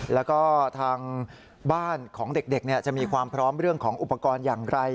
แล้วก็ทางบ้านของเด็กจะมีความพร้อมเรื่องของอุปกรณ์อย่างไร